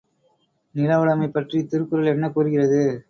நில உடைமை பற்றித் திருக்குறள் என்ன கூறுகிறது?